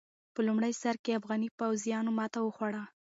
په لومړي سر کې افغاني پوځيانو ماته وخوړه.